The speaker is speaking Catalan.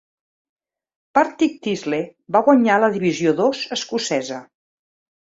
Partick Thistle va guanyar la Divisió Dos escocesa.